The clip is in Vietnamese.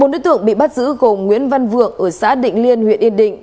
bốn đối tượng bị bắt giữ gồm nguyễn văn vượng ở xã định liên huyện yên định